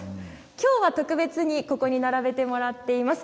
今日は特別にここに並べてもらっています。